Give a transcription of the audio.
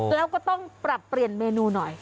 แล้วก็ต้องปรับเปลี่ยนเมนูหน่อย